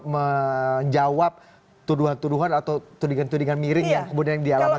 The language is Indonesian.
menjawab tuduhan tuduhan atau tudingan tudingan miring yang kemudian dialamatkan banyak orang